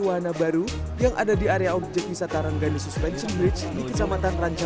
wahana baru yang ada di area objek wisata ranggani suspension bridge di kecamatan ranca